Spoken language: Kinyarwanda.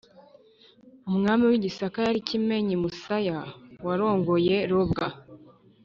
umwami w'i gisaka yari kimenyi musaya warongoye robwa,